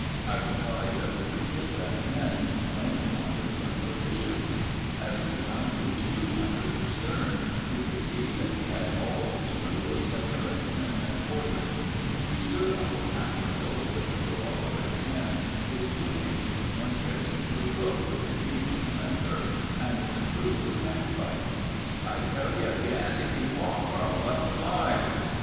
I replied that we were shipwrecked men, and only wanted some provisions. As we rounded to under his stern, we could see that he had all his crew of seven or eight men at quarters. He stood on the taff rail with a revolver in hand, his two mates with muskets, the cook with a huge tormentor, and the crew with handspikes. "I tell you again, keep off, or I'll let fly."